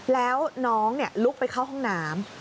แล้วน้องลุกไปเข้าห้องน้ำ